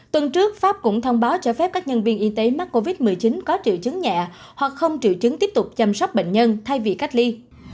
tuần trước pháp cũng thông báo cho phép các nhân viên y tế mắc covid một mươi chín có triệu chứng nhẹ hoặc không triệu chứng tiếp tục chăm sóc bệnh nhân thay vì cách ly